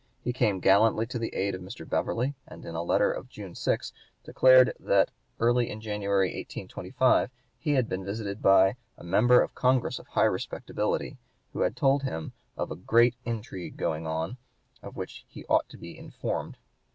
He came gallantly to the aid of Mr. Beverly, and in a letter of June 6 declared that early in January, 1825, he had been visited by a "member of Congress of high respectability," who had told him of "a great intrigue going on" of which he ought to be informed.